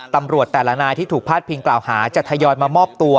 ตำรวจแต่ละนายที่ถูกพาดพิงกล่าวหาจะทยอยมามอบตัว